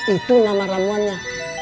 itu nama ramuannya